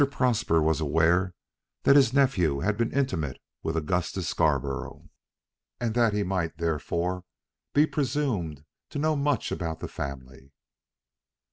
Prosper was aware that his nephew had been intimate with Augustus Scarborough, and that he might, therefore, be presumed to know much about the family.